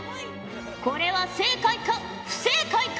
これは正解か不正解か？